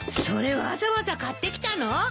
それわざわざ買ってきたの？